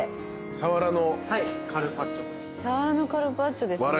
サワラのカルパッチョですね。